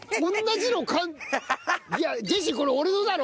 ジェシーこれ俺のだろ！